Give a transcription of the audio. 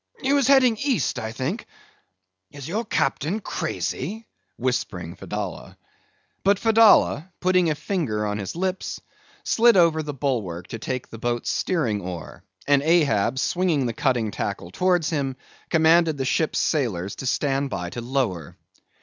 He was heading east, I think.—Is your Captain crazy?" whispering Fedallah. But Fedallah, putting a finger on his lip, slid over the bulwarks to take the boat's steering oar, and Ahab, swinging the cutting tackle towards him, commanded the ship's sailors to stand by to lower.